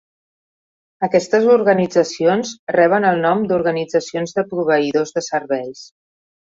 Aquestes organitzacions reben el nom d"organitzacions de proveïdor de serveis.